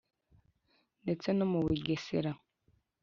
ndetse no mu bugesera.